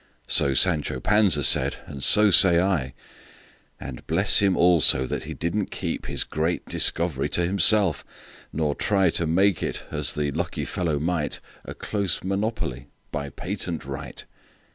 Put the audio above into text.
So Sancho Panza said, and so say I:And bless him, also, that he did n't keepHis great discovery to himself; nor tryTo make it—as the lucky fellow might—A close monopoly by patent right!